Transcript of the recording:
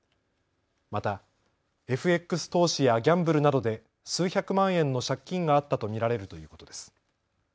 またＦＸ投資やギャンブルなどで数百万円の借金があったと見られるということです。